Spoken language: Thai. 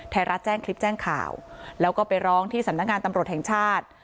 ไทยรัฐแจ้งคลิปแจ้งข่าวแล้วก็ไปร้องที่สำนักงานตำรวจแห่งชาติ